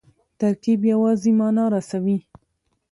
ترکیب یوازي مانا رسوي.